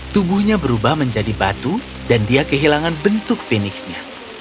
tubuhnya berubah menjadi batu dan dia kehilangan bentuk finisnya